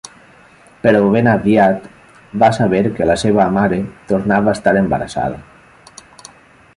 Però ben aviat va saber que la seva mare tornava a estar embarassada.